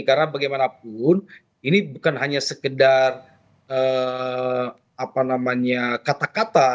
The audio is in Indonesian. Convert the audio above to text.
karena bagaimanapun ini bukan hanya sekedar kata kata